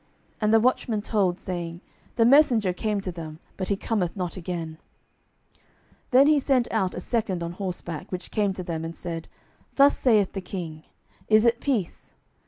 And the watchman told, saying, The messenger came to them, but he cometh not again. 12:009:019 Then he sent out a second on horseback, which came to them, and said, Thus saith the king, Is it peace?